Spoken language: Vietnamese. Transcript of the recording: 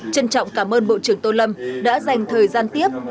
trân trọng cảm ơn bộ trưởng tô lâm đã dành thời gian tiếp